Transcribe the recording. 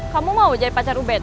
kamu mau jadi pacar rubet